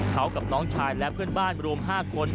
เขากับน้องชายและเพื่อนบ้านรวม๕คน